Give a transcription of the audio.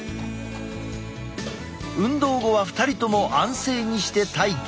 運動後は２人とも安静にして待機。